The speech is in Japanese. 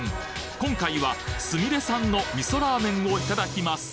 今回はすみれさんの味噌ラーメンをいただきます！